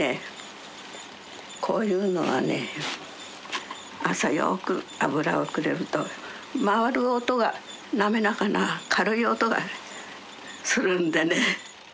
こういうのはね朝よく油をくれると回る音が滑らかな軽い音がするんでね。